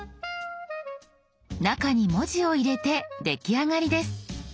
中に文字を入れて出来上がりです。